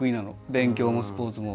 勉強もスポーツも。